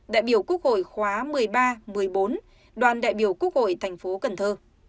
đại biểu quốc hội khóa một mươi ba một mươi bốn đoàn đại biểu quốc hội thành phố cần thơ